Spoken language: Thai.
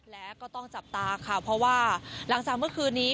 และก็ต้องจับตาค่ะเพราะว่าหลังจากเมื่อคืนนี้